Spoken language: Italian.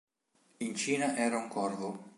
In Cina era un corvo.